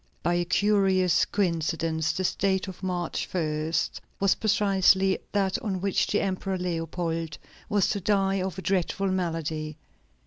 By a curious coincidence, this date of March 1 was precisely that on which the Emperor Leopold was to die of a dreadful malady.